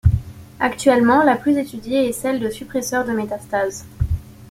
Actuellement la plus étudiée est celle de suppresseur de métastases.